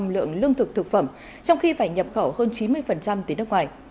lượng lương thực thực phẩm trong khi phải nhập khẩu hơn chín mươi tới nước ngoài